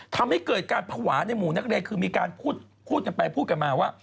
ทำให้เกิดการภาวะในหมู่นักเรียนคือมีการพูดกันไปพูดกันมาว่า